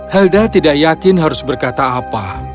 helda tidak yakin harus berkata apa